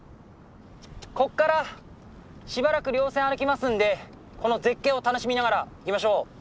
こっからしばらく稜線歩きますんでこの絶景を楽しみながら行きましょう。